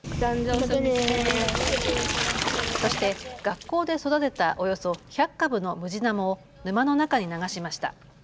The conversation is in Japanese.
そして学校で育てたおよそ１００株のムジナモを沼の中に流しました。